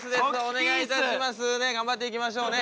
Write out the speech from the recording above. ねえ頑張っていきましょうね。